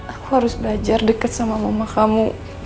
aku harus belajar dekat sama mama kamu